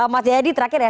mas jayadi terakhir ya